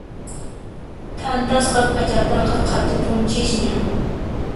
Thantasqa p'achataqa qhatupunchisña.